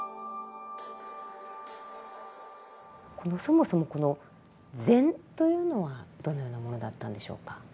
そもそもこの禅というのはどのようなものだったんでしょうか？